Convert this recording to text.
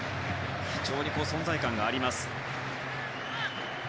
非常に存在感があります。